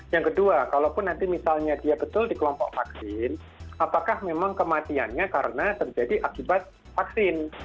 yang kedua kalaupun nanti misalnya dia betul di kelompok vaksin apakah memang kematiannya karena terjadi akibat vaksin